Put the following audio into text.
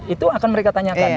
itu akan mereka tanyakan